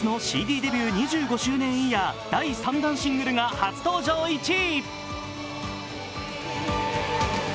デビュー２５周年イヤー第３弾シングルが初登場１位。